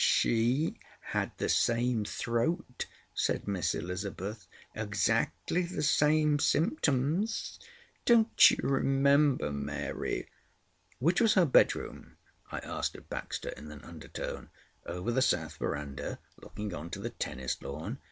"She had the same throat," said Miss Elizabeth. "Exactly the same symptoms. Don't you remember, Mary?" "Which was her bedroom?" I asked of Baxter in an undertone. "Over the south verandah, looking on to the tennis lawn."